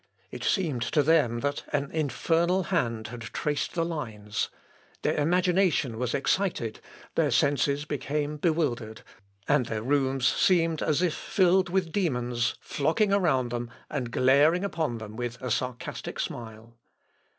It seemed to them that an infernal hand had traced the lines; their imagination was excited, their senses became bewildered, and their rooms seemed as if filled with demons, flocking around them, and glaring upon them with a sarcastic smile.